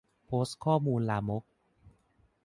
โพสต์ข้อมูลลามก